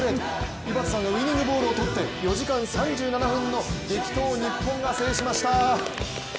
井端さんがウイニングボールを捕って４時間３７分の激闘を日本が制しました。